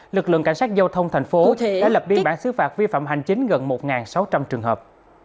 lực lượng cảnh sát giao thông thành phố đã lập biên bản xứ phạt vi phạm hành chính gần một sáu trăm linh trường hợp